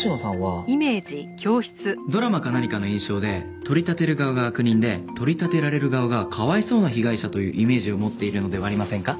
ドラマか何かの印象で取り立てる側が悪人で取り立てられる側がかわいそうな被害者というイメージを持っているのではありませんか？